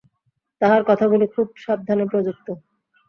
তাঁহার কথাগুলি খুব সাবধানে প্রযুক্ত।